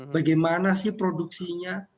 bagaimana sih produksinya